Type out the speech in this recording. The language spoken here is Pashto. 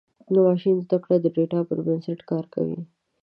د ماشین زدهکړه د ډیټا پر بنسټ کار کوي.